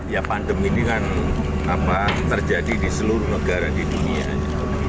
ya pandemi ini kan terjadi di seluruh negara di dunia